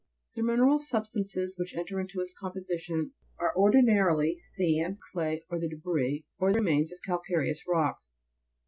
The mineral substances which enter into its composition are ordinarily sand, clay, or the debris, or remains of calcareous rocks.